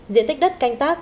diện tích đất canh tác